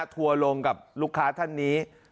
ทัวร์ลงกับลูกค้าท่านนี้